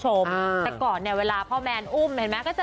ชมอ่าแต่ก่อนเนี้ยเวลาพ่อแมนอุ้มเห็นไหมก็จะ